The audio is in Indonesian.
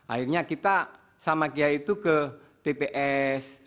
akhirnya kita sama kiai itu ke tps